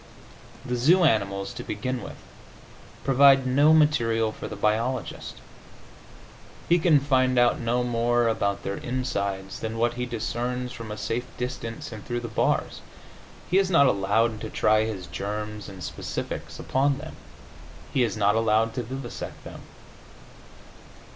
The zoo animals, to begin with, provide no material for the biologist; he can find out no more about their insides than what he discerns from a safe distance and through the bars. He is not allowed to try his germs and specifics upon them; he is not allowed to vivisect them.